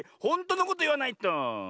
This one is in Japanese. ほんとのこといわないと。